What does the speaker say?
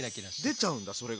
出ちゃうんだそれが。